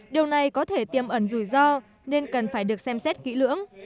điều này có thể tiêm ẩn rủi ro nên cần phải được xem xét kỹ lưỡng